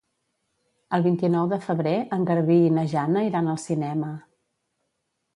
El vint-i-nou de febrer en Garbí i na Jana iran al cinema.